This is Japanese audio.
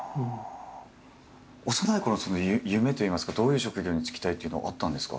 幼いころの夢といいますかどういう職業に就きたいというのはあったんですか？